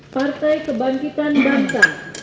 partai kebangkitan bangsa